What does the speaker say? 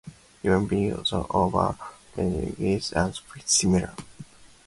Implementations in other languages are similar.